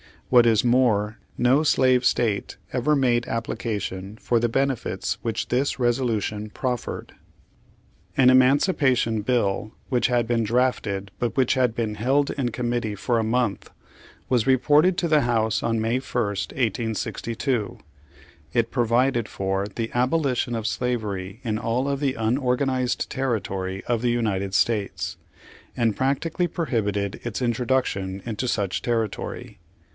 What is more, no slave State ever made application for the benefits which this resolution proffered. ♦March 11, 1862. 8 Page Fifty eight An emancipation bill which had been drafted, but which had been held in committee for a month, was reported to the House on May 1, 1862. It provided for the abolition of slavery in all of the unorganized territory of the United States, and practically prohibited its introduction into such territory.